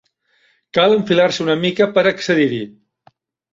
Cal enfilar-se una mica per accedir-hi.